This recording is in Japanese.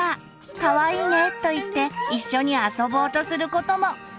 「かわいいね」と言って一緒に遊ぼうとすることも。